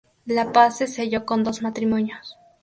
La paz se selló con dos matrimonios.